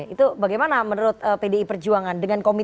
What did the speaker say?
itu bagaimana menurut pdi perjuangan